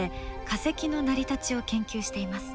化石の成り立ちを研究しています。